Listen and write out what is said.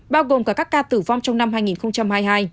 bao gồm cả các ca tử vong trong năm hai nghìn hai mươi hai